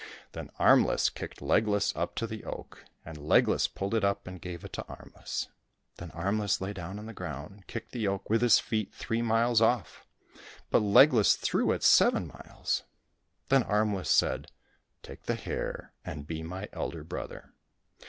Then Armless kicked Legless up to the oak, and Legless pulled it up and gave it to Armless. Then Armless lay down on the ground and kicked the oak with his feet three miles off. But Legless threw it seven miles. Then Armless said, " Take the hare and be my elder brother